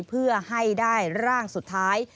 เพื่อให้ได้ร่างสุดท้าย